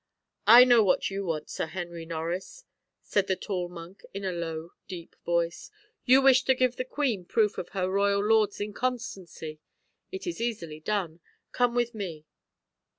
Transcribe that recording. "I know what you want, Sir Henry Norris," said the tall monk in a low deep voice; "you wish to give the queen proof of her royal lord's inconstancy. It is easily done. Come with me."